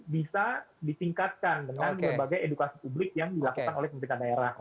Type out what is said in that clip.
bisa ditingkatkan dengan berbagai edukasi publik yang dilakukan oleh pemerintah daerah